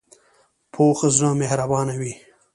پوخ زړه مهربانه وي